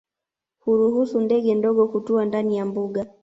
Huruhusu ndege ndogo kutua ndani ya mbuga